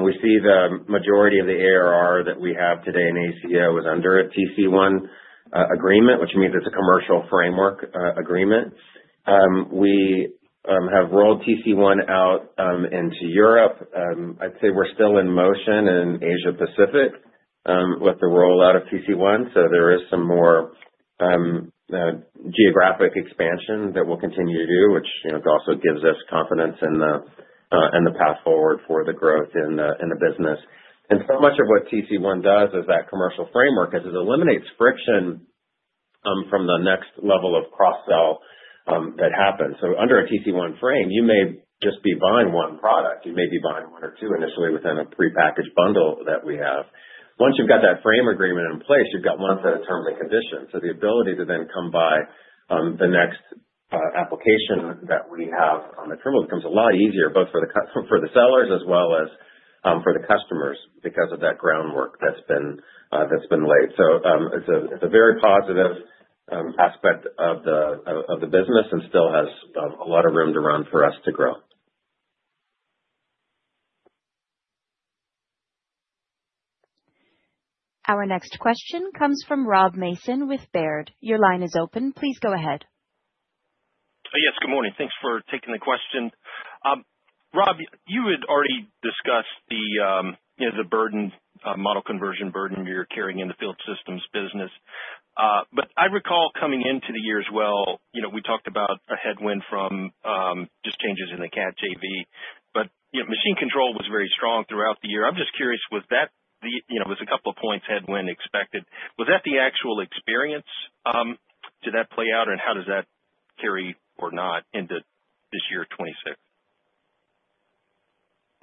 We see the majority of the ARR that we have today in AECO is under a TC1 agreement, which means it's a commercial framework agreement. We have rolled TC1 out into Europe. I'd say we're still in motion in Asia-Pacific with the rollout of TC1. So there is some more geographic expansion that we'll continue to do, which also gives us confidence in the path forward for the growth in the business. And so much of what TC1 does is that commercial framework, as it eliminates friction from the next level of cross-sell that happens. So under a TC1 frame, you may just be buying one product. You may be buying one or two initially within a prepackaged bundle that we have. Once you've got that frame agreement in place, you've got one set of terms and conditions. So the ability to then come by the next application that we have on the Trimble becomes a lot easier, both for the sellers as well as for the customers because of that groundwork that's been laid. So it's a very positive aspect of the business and still has a lot of room to run for us to grow. Our next question comes from Rob Mason with Baird. Your line is open. Please go ahead. Yes. Good morning. Thanks for taking the question. Rob, you had already discussed the burden, model conversion burden you're carrying in the Field Systems business. But I recall coming into the year as well, we talked about a headwind from just changes in the Cat JV, but machine control was very strong throughout the year. I'm just curious, was that it was a couple of points headwind expected. Was that the actual experience? Did that play out, and how does that carry or not into this year 2026?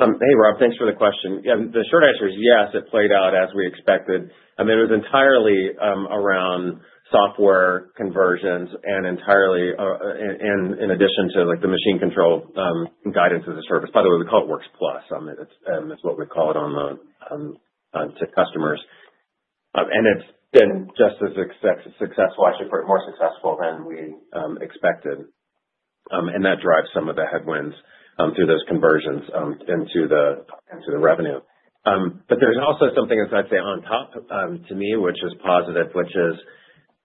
Hey, Rob. Thanks for the question. Yeah, the short answer is yes. It played out as we expected. I mean, it was entirely around software conversions and entirely in addition to the machine control guidance as a service. By the way, we call it WorksPlus. I mean, that's what we call it to customers. And it's been just as successful, actually more successful than we expected. And that drives some of the headwinds through those conversions into the revenue. But there's also something that's, I'd say, on top to me, which is positive, which is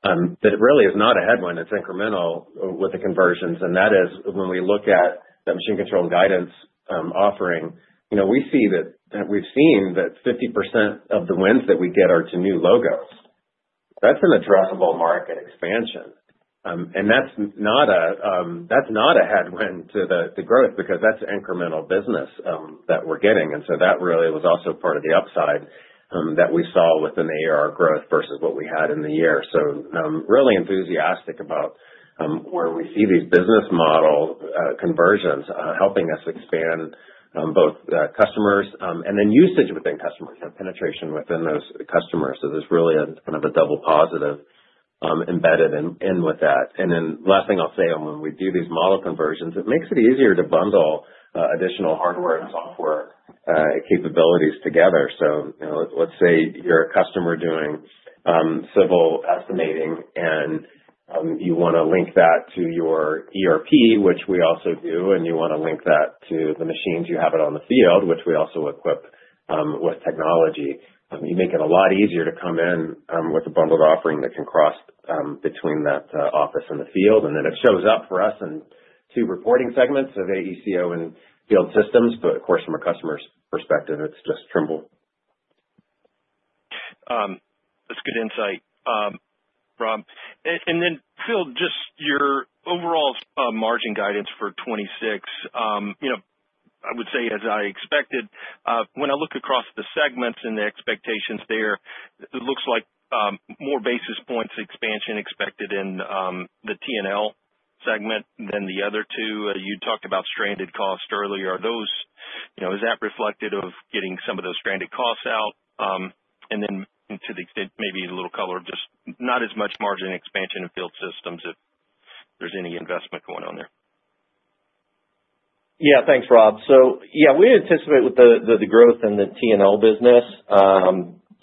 that it really is not a headwind. It's incremental with the conversions. And that is when we look at that machine control guidance offering, we see that we've seen that 50% of the wins that we get are to new logos. That's an addressable market expansion. And that's not a headwind to the growth because that's incremental business that we're getting. And so that really was also part of the upside that we saw within the ARR growth versus what we had in the year. So really enthusiastic about where we see these business model conversions helping us expand both customers and then usage within customers, penetration within those customers. So there's really kind of a double positive embedded in with that. And then last thing I'll say, when we do these model conversions, it makes it easier to bundle additional hardware and software capabilities together. So let's say you're a customer doing civil estimating, and you want to link that to your ERP, which we also do, and you want to link that to the machines you have out on the field, which we also equip with technology. You make it a lot easier to come in with a bundled offering that can cross between that office and the field. And then it shows up for us in two reporting segments, of AECO and Field Systems. But of course, from a customer's perspective, it's just Trimble. That's good insight, Rob. And then Phil, just your overall margin guidance for 2026, I would say as I expected, when I look across the segments and the expectations there, it looks like more basis points expansion expected in the T&L segment than the other two. You talked about stranded cost earlier. Is that reflective of getting some of those stranded costs out? And then to the extent, maybe a little color of just not as much margin expansion in Field Systems if there's any investment going on there? Yeah. Thanks, Rob. So yeah, we anticipate with the growth in the T&L business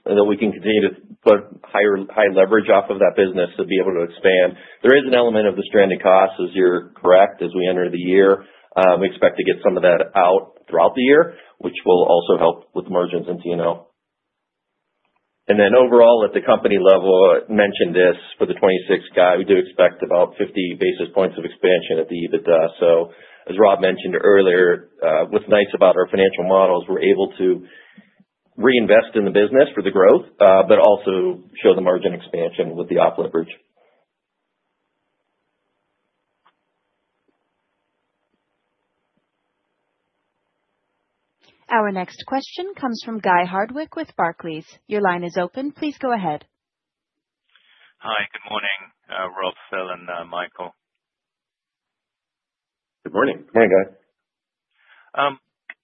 that we can continue to put high leverage off of that business to be able to expand. There is an element of the stranded costs, as you're correct, as we enter the year. We expect to get some of that out throughout the year, which will also help with the margins in T&L. And then overall, at the company level, I mentioned this for the 2026 guide. We do expect about 50 basis points of expansion at the EBITDA. So as Rob mentioned earlier, what's nice about our financial models, we're able to reinvest in the business for the growth but also show the margin expansion with the op leverage. Our next question comes from Guy Hardwick with Barclays. Your line is open. Please go ahead. Hi. Good morning, Rob, Phil, and Michael. Good morning. Good morning, Guy.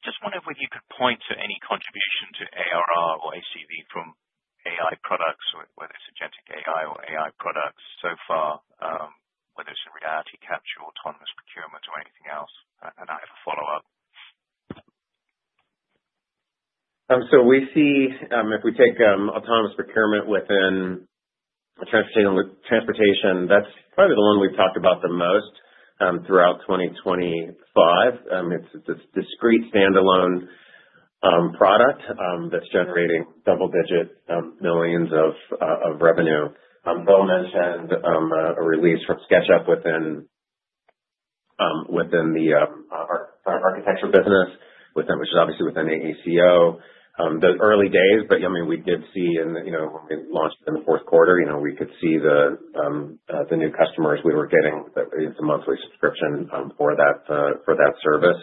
Just wondering if you could point to any contribution to ARR or ACV from AI products, whether it's agentic AI or AI products. So far, whether it's in reality capture, Autonomous Procurement, or anything else. And I have a follow-up. So we see if we take Autonomous Procurement within transportation, that's probably the one we've talked about the most throughout 2025. It's a discrete standalone product that's generating double-digit millions of revenue. Phil mentioned a release from SketchUp within the architecture business, which is obviously within AECO. The early days, but I mean, we did see when we launched in the fourth quarter, we could see the new customers we were getting that it was a monthly subscription for that service.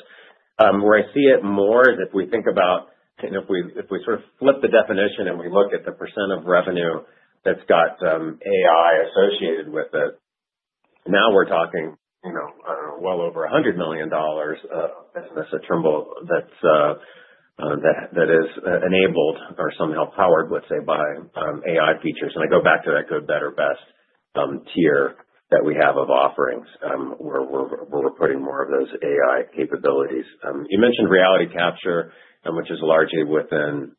Where I see it more is if we think about if we sort of flip the definition and we look at the percent of revenue that's got AI associated with it, now we're talking, I don't know, well over $100 million of business at Trimble that is enabled or somehow powered, let's say, by AI features. And I go back to that good, better, best tier that we have of offerings where we're putting more of those AI capabilities. You mentioned reality capture, which is largely within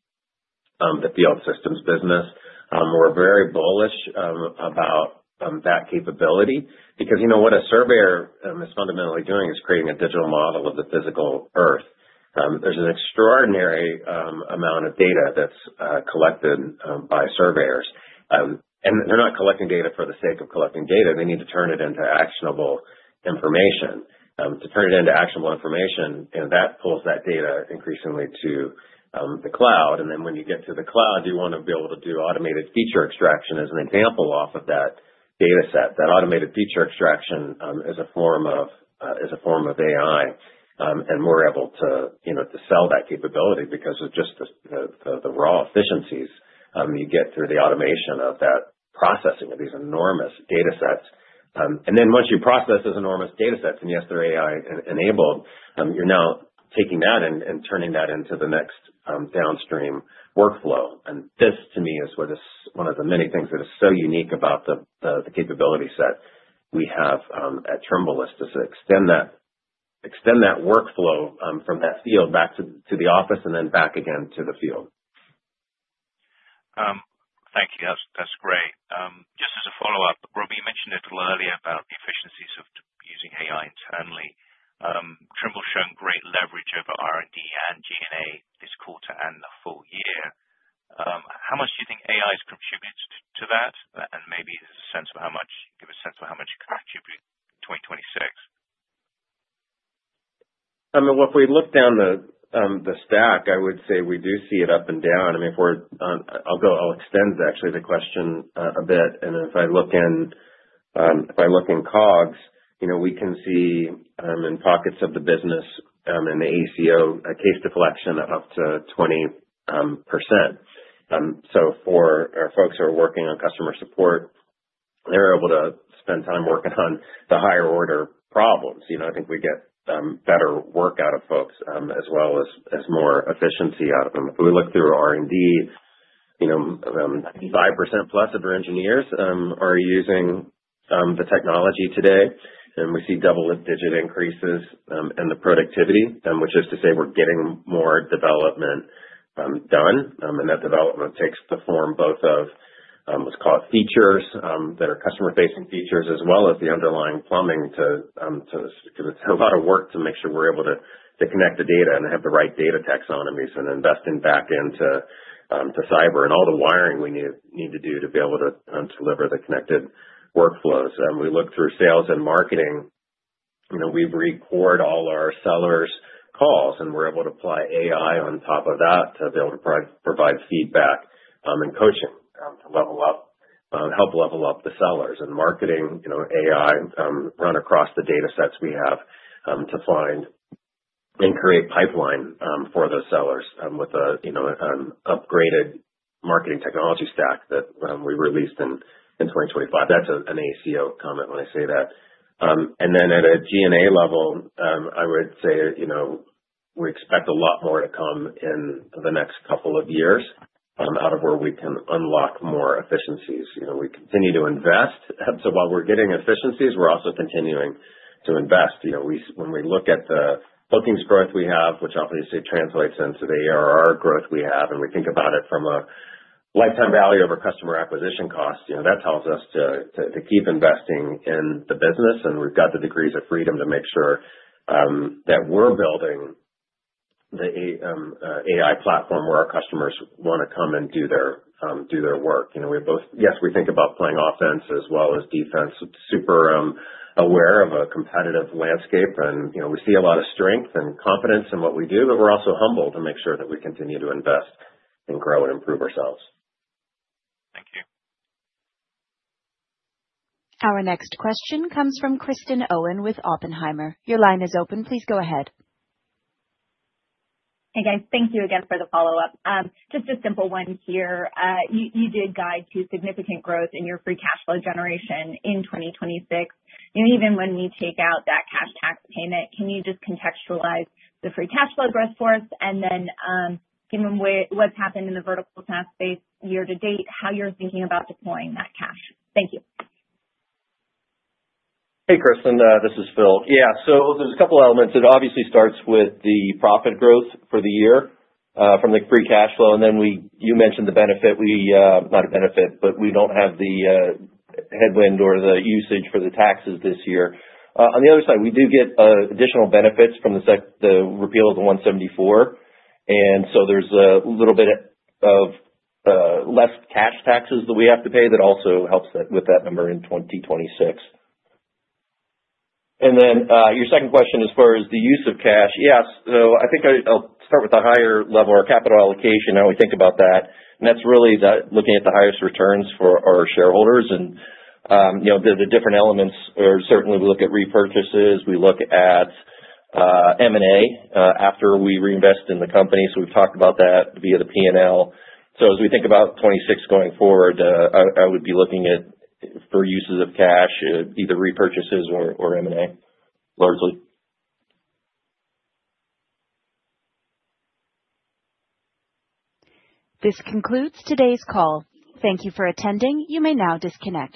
the Field Systems business. We're very bullish about that capability because what a surveyor is fundamentally doing is creating a digital model of the physical Earth. There's an extraordinary amount of data that's collected by surveyors. And they're not collecting data for the sake of collecting data. They need to turn it into actionable information. To turn it into actionable information, that pulls that data increasingly to the cloud. And then when you get to the cloud, you want to be able to do automated feature extraction as an example off of that dataset. That automated feature extraction is a form of AI. And we're able to sell that capability because of just the raw efficiencies you get through the automation of that processing of these enormous datasets. And then once you process those enormous datasets, and yes, they're AI-enabled, you're now taking that and turning that into the next downstream workflow. And this, to me, is one of the many things that is so unique about the capability set we have at Trimble is to extend that workflow from that field back to the office and then back again to the field. Thank you. That's great. Just as a follow-up, Rob, you mentioned it a little earlier about the efficiencies of using AI internally. Trimble's shown great leverage over R&D and G&A this quarter and the full year. How much do you think AI has contributed to that? Maybe there's a sense of how much it could contribute to 2026. I mean, if we look down the stack, I would say we do see it up and down. I mean, I'll extend, actually, the question a bit. If I look in COGS, we can see in pockets of the business in the AECO, a case deflection of up to 20%. So for our folks who are working on customer support, they're able to spend time working on the higher-order problems. I think we get better work out of folks as well as more efficiency out of them. If we look through R&D, 5%+ of our engineers are using the technology today. We see double-digit increases in the productivity, which is to say we're getting more development done. That development takes the form both of what's called features, that are customer-facing features, as well as the underlying plumbing, too, because it's a lot of work to make sure we're able to connect the data and have the right data taxonomies and invest back into cyber and all the wiring we need to do to be able to deliver the connected workflows. We look through sales and marketing. We've recorded all our sellers' calls, and we're able to apply AI on top of that to be able to provide feedback and coaching to help level up the sellers. In marketing, AI run across the datasets we have to find and create pipeline for those sellers with an upgraded marketing technology stack that we released in 2025. That's an AECO comment when I say that. And then at a G&A level, I would say we expect a lot more to come in the next couple of years out of where we can unlock more efficiencies. We continue to invest. So while we're getting efficiencies, we're also continuing to invest. When we look at the bookings growth we have, which obviously translates into the ARR growth we have, and we think about it from a lifetime value over customer acquisition cost, that tells us to keep investing in the business. And we've got the degrees of freedom to make sure that we're building the AI platform where our customers want to come and do their work. Yes, we think about playing offense as well as defense. Super aware of a competitive landscape. We see a lot of strength and confidence in what we do, but we're also humbled to make sure that we continue to invest and grow and improve ourselves. Thank you. Our next question comes from Kristen Owen with Oppenheimer. Your line is open. Please go ahead. Hey, guys. Thank you again for the follow-up. Just a simple one here. You did guide to significant growth in your free cash flow generation in 2026. Even when we take out that cash tax payment, can you just contextualize the free cash flow growth for us and then give them what's happened in the vertical SaaS space year-to-date, how you're thinking about deploying that cash? Thank you. Hey, Kristen. This is Phil. Yeah. So there's a couple of elements. It obviously starts with the profit growth for the year from the free cash flow. And then you mentioned the benefit. Not a benefit, but we don't have the headwind or the usage for the taxes this year. On the other side, we do get additional benefits from the repeal of the 174. And so there's a little bit of less cash taxes that we have to pay that also helps with that number in 2026. And then your second question as far as the use of cash. Yes. So I think I'll start with the higher level or capital allocation. How we think about that. And that's really looking at the highest returns for our shareholders and the different elements. Certainly, we look at repurchases. We look at M&A after we reinvest in the company. So we've talked about that via the P&L. So as we think about 2026 going forward, I would be looking for uses of cash, either repurchases or M&A, largely. This concludes today's call. Thank you for attending. You may now disconnect.